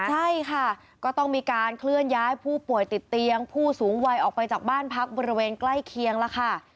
ใช่ค่ะก็ต้องมีการเคลื่อนย้ายผู้ป่วยติดเตียงผู้สูงวัยออกไปจากบ้านพักบริเวณใกล้เคียงแล้วค่ะ